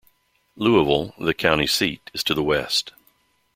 Louisville, the county seat, is to the west.